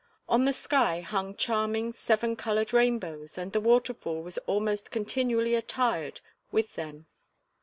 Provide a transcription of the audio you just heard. On the sky hung charming, seven colored rainbows and the waterfall was almost continually attired with them.